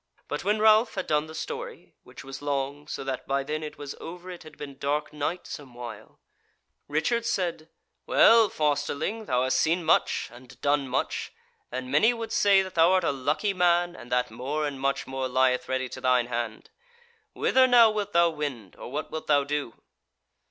But when Ralph had done the story (which was long, so that by then it was over it had been dark night some while), Richard said: "Well, fosterling, thou hast seen much, and done much, and many would say that thou art a lucky man, and that more and much more lieth ready to thine hand. Whither now wilt thou wend, or what wilt thou do?"